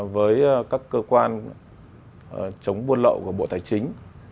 với các cơ quan chống buôn lộn